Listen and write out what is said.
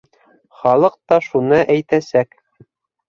Халыҡ та шуны әйтәсәк.